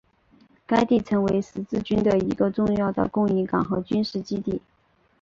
该地曾为十字军的一个重要的供应港和军事基地。